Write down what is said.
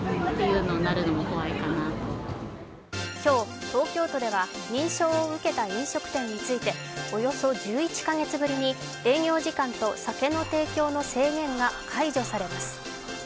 今日、東京都では認証を受けた飲食店についておよそ１１カ月ぶりに営業時間と酒の提供時間の制限が解除されます。